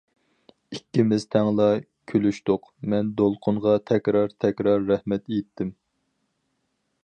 ئىككىمىز تەڭلا كۈلۈشتۇق، مەن دولقۇنغا تەكرار-تەكرار رەھمەت ئېيتتىم.